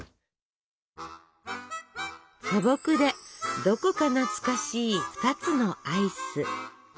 素朴でどこか懐かしい２つのアイス！